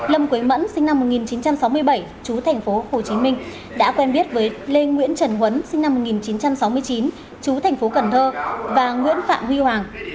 lê nguyễn trần huấn sinh năm một nghìn chín trăm sáu mươi chín chú thành phố cần thơ và nguyễn phạm huy hoàng